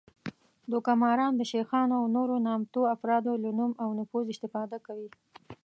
دوکه ماران د شیخانو او نورو نامتو افرادو له نوم او نفوذ استفاده کوي